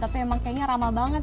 tapi emang kayaknya ramah banget